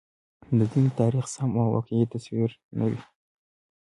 د دین د تاریخ سم او واقعي تصویر نه وي.